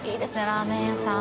ラーメン屋さん。